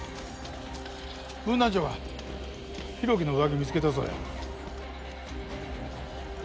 分団長が浩喜の上着見つけたそうや。